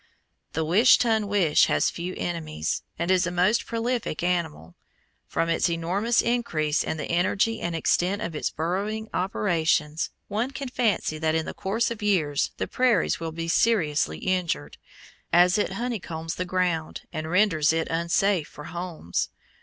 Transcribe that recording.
The Wish ton Wish has few enemies, and is a most prolific animal. From its enormous increase and the energy and extent of its burrowing operations, one can fancy that in the course of years the prairies will be seriously injured, as it honeycombs the ground, and renders it unsafe for horses.